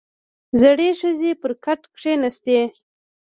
• زړې ښځې پر کټ کښېناستې.